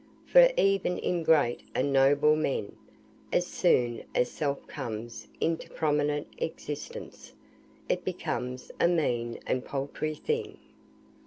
For even in great and noble men, as soon as self comes into prominent existence, it becomes a mean and paltry thing.